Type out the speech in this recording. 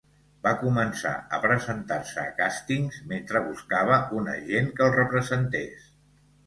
Va començar a presentar-se a càstings mentre buscava un agent que el representés.